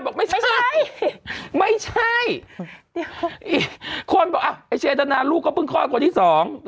บอกไม่ใช่ไม่ใช่คนบอกอ่ะไอ้เจตนาลูกก็เพิ่งคลอดคนที่สอง